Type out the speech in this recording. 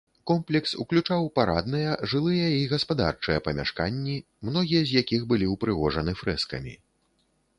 Комплекс уключаў парадныя, жылыя і гаспадарчыя памяшканні, многія з якіх былі ўпрыгожаны фрэскамі.